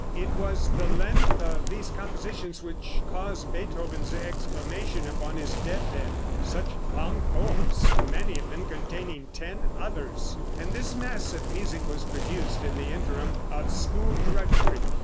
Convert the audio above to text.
It was the length of these compositions which caused Beethoven's exclamation upon his death bed: "Such long poems, many of them containing ten others." And this mass of music was produced in the interim of school drudgery.